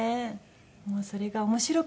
もうそれが面白くて。